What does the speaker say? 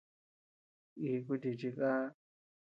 Iku chichí ka.